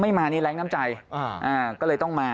ไม่มาในแรงน้ำใจอ่าก็เลยต้องมา